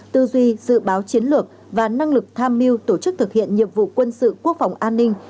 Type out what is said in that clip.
tư duy dự báo chiến lược và năng lực tham mưu tổ chức thực hiện nhiệm vụ quân sự quốc phòng an ninh